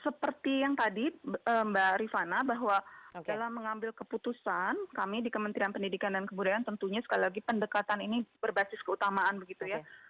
seperti yang tadi mbak rifana bahwa dalam mengambil keputusan kami di kementerian pendidikan dan kebudayaan tentunya sekali lagi pendekatan ini berbasis keutamaan begitu ya